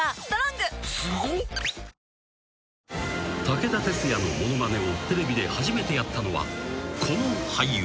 ［武田鉄矢のものまねをテレビで初めてやったのはこの俳優］